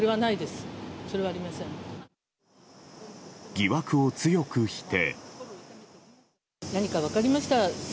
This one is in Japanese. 疑惑を強く否定。